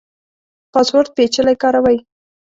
پاسورډ پیچلی کاروئ؟